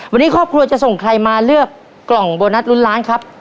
วันนี้ครอบครัวจะส่งใครมาเลือกกล่องโบนัสลุ้นล้านครับ